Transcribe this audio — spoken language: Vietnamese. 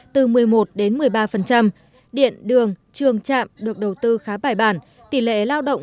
từ một mươi một đến một mươi ba điện đường trường trạm được đầu tư khá bài bản tỷ lệ lao động